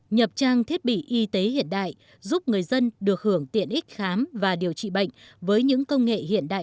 nhập trang thiết bị y tế hiện đại giúp người dân được hưởng tiện ích khám và điều trị bệnh với những công nghệ hiện đại